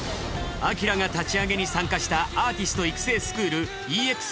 ＡＫＩＲＡが立ち上げに参加したアーティスト育成スクール